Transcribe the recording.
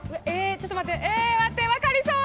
ちょっと待って！